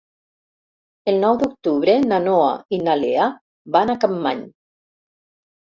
El nou d'octubre na Noa i na Lea van a Capmany.